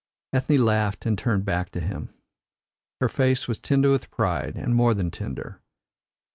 Ethne laughed and turned back to him. Her face was tender with pride, and more than tender.